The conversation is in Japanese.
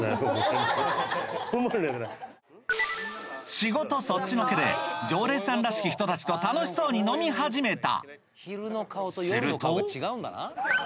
仕事そっちのけで常連さんらしき人達と楽しそうに飲み始めた。